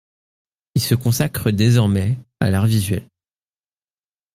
Il se consacre désormais à l'art visuel.